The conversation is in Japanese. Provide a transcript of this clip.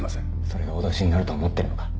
それが脅しになると思ってるのか？